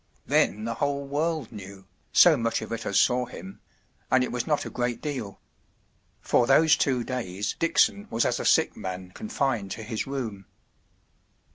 Then the whole world knew, so much of it as saw him—and it was not a great deal. For those two days Dickson was as a sick man confined to his room.